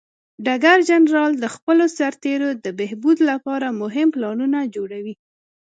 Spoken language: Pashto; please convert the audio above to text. ډګر جنرال د خپلو سرتیرو د بهبود لپاره مهم پلانونه جوړوي.